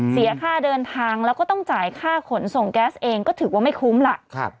เสียค่าเดินทางแล้วก็ต้องจ่ายค่าขนส่งแก๊สเองก็ถือว่าไม่คุ้มล่ะ